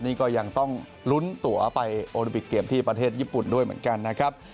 นี่ก็ยังต้องลุ้นตัวไปโอลิปิกเกมที่ประเทศญี่ปุ่นด้วยเหมือนกันนะครับ